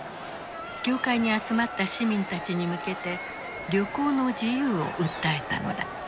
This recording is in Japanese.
教会に集まった市民たちに向けて旅行の自由を訴えたのだ。